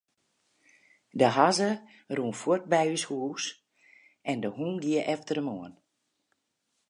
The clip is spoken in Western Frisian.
De hazze rûn fuort by ús hús en de hûn gie efter him oan.